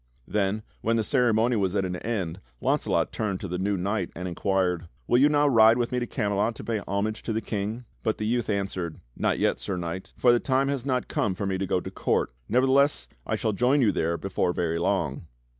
Then, when the ceremony was at an end Launcelot turned to the new knight and inquired: "Will you now ride with me to Camelot to pay homage to the King?" But the youth answered: "Not yet. Sir Knight, for the time has not come for me to go to court. Nevertheless I shall join you there before very long."